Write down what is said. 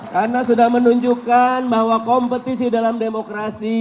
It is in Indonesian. karena sudah menunjukkan bahwa kompetisi dalam demokrasi